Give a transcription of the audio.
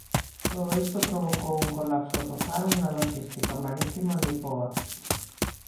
Todo isto provocou un colapso total na loxística marítima nipoa.